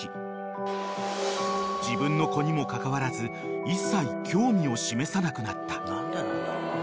［自分の子にもかかわらず一切興味を示さなくなった］